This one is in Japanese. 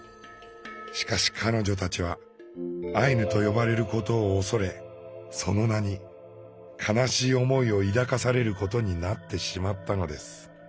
しかし彼女たちはアイヌと呼ばれることを恐れその名に悲しい思いを抱かされることになってしまったのです。